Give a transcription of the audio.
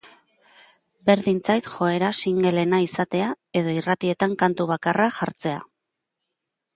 Berdin zait joera singleena izatea edo irratietan kantu bakarra jartzea.